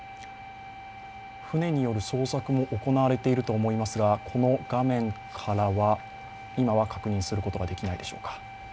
船による捜索も行われていると思いますがこの画面からは今は確認することができないでしょうか。